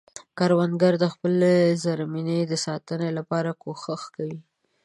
کروندګر د خپلې زمینې د ساتنې لپاره کوښښ کوي